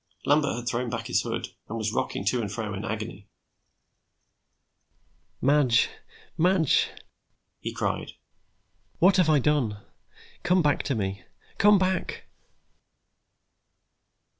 Lambert had thrown back his hood, and was rocking to and fro in agony. "Madge, Madge," he cried, "what have I done! Come back to me, come back!"